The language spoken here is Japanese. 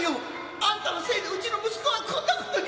あんたのせいでうちの息子はこんなことに！